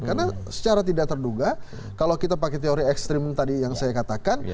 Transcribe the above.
karena secara tidak terduga kalau kita pakai teori ekstrim tadi yang saya katakan